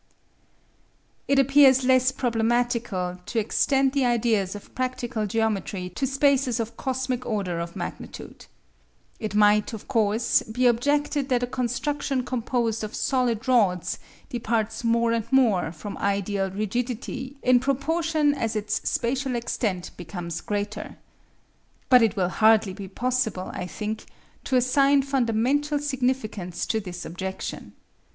It appears less problematical to extend the ideas of practical geometry to spaces of cosmic order of magnitude. It might, of course, be objected that a construction composed of solid rods departs more and more from ideal rigidity in proportion as its spatial extent becomes greater. But it will hardly be possible, I think, to assign fundamental significance to this objection.